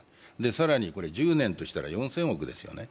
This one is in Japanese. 更に１０年としたら４０００億ですよね。